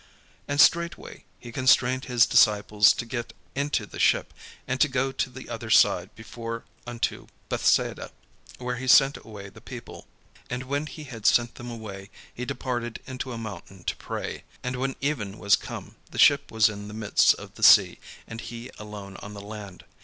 And straightway he constrained his disciples to get into the ship, and to go to the other side before unto Bethsaida, while he sent away the people. And when he had sent them away, he departed into a mountain to pray. And when even was come, the ship was in the midst of the sea, and he alone on the land.